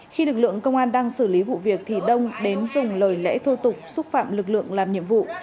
khi lực lượng công an đang xử lý vụ việc thì đông đến dùng lời lẽ thô tục xúc phạm lực lượng làm nhiệm vụ